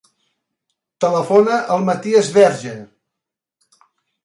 Telefona al Matías Verge.